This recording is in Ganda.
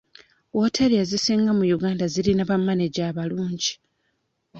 Wooteeri ezisinga mu Uganda zirina bamaneja abalungi